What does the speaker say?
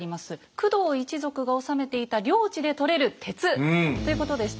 工藤一族が治めていた領地でとれる鉄ということでしたよね。